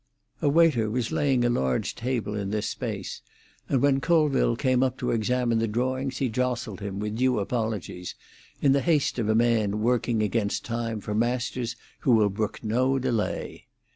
A waiter was laying a large table in this space, and when Colville came up to examine the drawings he jostled him, with due apologies, in the haste of a man working against time for masters who will brook no delay.